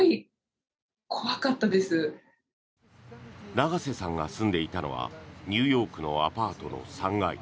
永瀬さんが住んでいたのはニューヨークのアパートの３階。